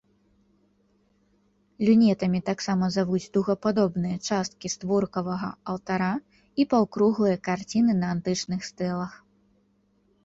Люнетамі таксама завуць дугападобныя часткі створкавага алтара і паўкруглыя карціны на антычных стэлах.